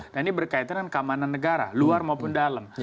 dan ini berkaitan dengan keamanan negara luar maupun dalam